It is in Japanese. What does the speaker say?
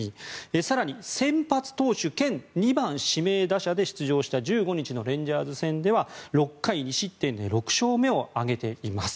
更に、先発投手兼２番指名打者で出場した１５日のレンジャーズ戦では６回２失点で６勝目を挙げています。